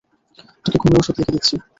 তোকে ঘুমের ওষুধ লিখে দিচ্ছি।